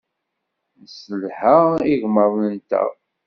Nesselha igmaḍ-nteɣ.